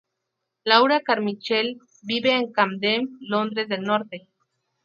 Laura Carmichael vive en Camden, Londres del norte.